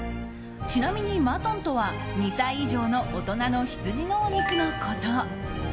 ちなみにマトンとは、２歳以上の大人のヒツジのお肉のこと。